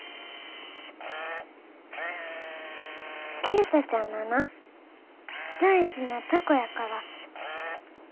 慶太ちゃんのな大事な凧やから。